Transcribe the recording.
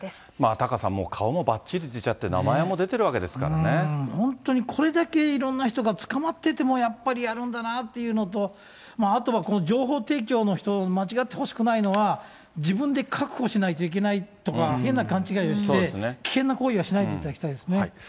タカさん、顔もばっちり出ちゃって、本当にこれだけいろんな人が捕まってても、やっぱりやるんだなというのと、あとはこの情報提供の人、間違ってほしくないのは、自分で確保しないといけないとか、変な勘違いをして、危険な行為はしないでいただきたいですね。